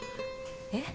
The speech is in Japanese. えっ？